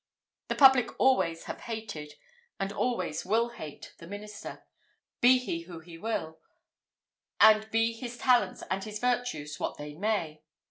The public always have hated, and always will hate the minister, be he who he will, and be his talents and his virtues what they may.